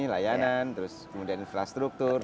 layanan terus kemudian infrastruktur